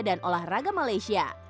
dan olahraga malaysia